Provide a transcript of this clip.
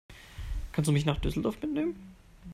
Kannst du mich nach Düsseldorf mitnehmen?